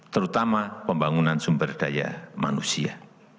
terutama pembangunan sumber daya manusia